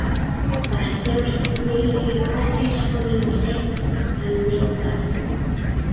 Pasteur's day gecko feeds on insects and nectar.